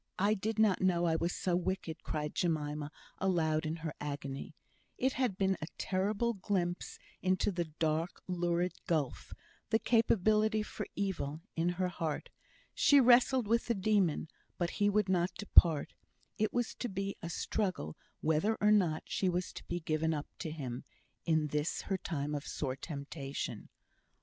I did not know I was so wicked," cried Jemima aloud in her agony. It had been a terrible glimpse into the dark, lurid gulf the capability for evil, in her heart. She wrestled with the demon, but he would not depart; it was to be a struggle whether or not she was to be given up to him, in this her time of sore temptation.